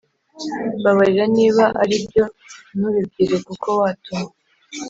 mbabarira niba aribyo ntubibwire kuko watuma